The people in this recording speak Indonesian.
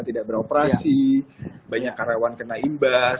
tidak beroperasi banyak karyawan kena imbas